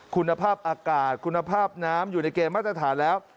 คุณภาพอากาศคุณภาพน้ำอยู่ในเกณฑ์มาตรฐานแล้ว